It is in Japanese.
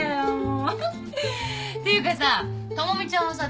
っていうかさ知美ちゃんはさ